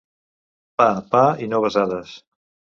Pa, pa, i no besades.